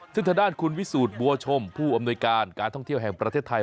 ซึ่งทางด้านคุณวิสูจน์บัวชมผู้อำนวยการการท่องเที่ยวแห่งประเทศไทย